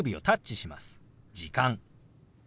「時間」。